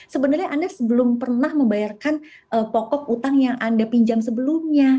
sebenarnya anda belum pernah membayarkan pokok utang yang anda pinjam sebelumnya